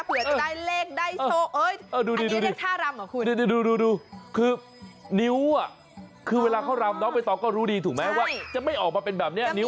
เผื่อจะได้เลขได้โชคอันนี้เรียกท่ารำเหรอคุณดูดูดูคือนิ้วอ่ะคือเวลาเขารำนอกไปต่อก็รู้ดีถูกไหมว่าจะไม่ออกมาเป็นแบบเนี้ยนิ้วอ่ะ